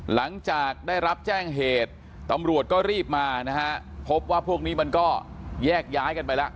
หลังจากได้รับแจ้งเหตุตำรวจก็รีบมานะฮะพบว่าพวกนี้มันก็แยกย้ายกันไปแล้ว